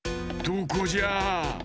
どこじゃ？